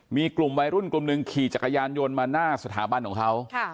มีกลุ่มวัยรุ่นกลุ่มหนึ่งขี่จักรยานยนต์มาหน้าสถาบันของเขา